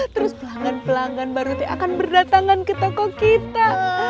terus pelanggan pelanggan baru akan berdatangan ke toko kita